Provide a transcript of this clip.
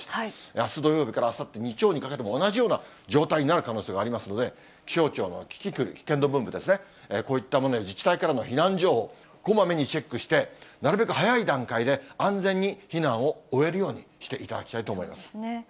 あす土曜日からあさって日曜にかけても、同じような状態になる可能性がありますので、気象庁のキキクル、危険度分布ですね、こういったものや、自治体からの避難情報をこまめにチェックして、なるべく早い段階で、安全に避難を終えるようにしていただきたいと思います。